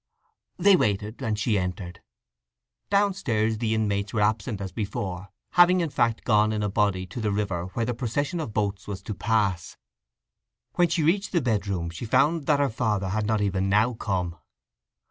They waited, and she entered. Downstairs the inmates were absent as before, having, in fact, gone in a body to the river where the procession of boats was to pass. When she reached the bedroom she found that her father had not even now come.